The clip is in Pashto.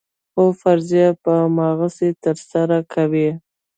خو فریضه به هماغسې ترسره کوې.